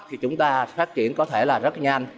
thì chúng ta phát triển có thể là rất nhanh